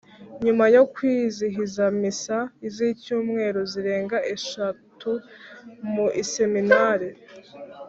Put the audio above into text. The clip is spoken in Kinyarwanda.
Nyuma yo kwizihiza Missa z'icyumweru zirenga eshatu mu Iseminari